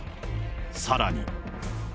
さらに。